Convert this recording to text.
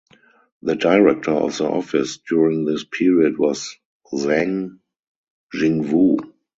The director of the office during this period was Zhang Jingwu.